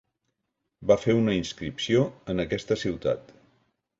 Va fer una inscripció en aquesta ciutat.